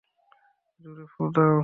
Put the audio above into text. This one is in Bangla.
জোরে ফুঁ দাও।